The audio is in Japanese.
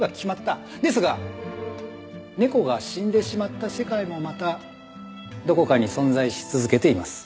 ですが猫が死んでしまった世界もまたどこかに存在し続けています。